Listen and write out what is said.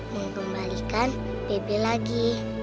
mengembalikan baby lagi